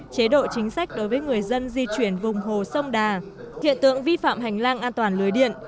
chế độ chính sách đối với người dân di chuyển vùng hồ sông đà hiện tượng vi phạm hành lang an toàn lưới điện